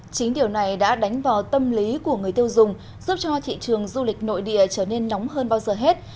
chính điều này đã đánh vào tâm lý của người tiêu dùng giúp cho thị trường du lịch nội địa trở nên nóng hơn bao giờ hết